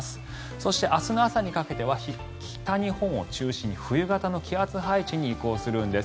そして明日の朝にかけては北日本を中心に冬型の気圧配置に移行するんです。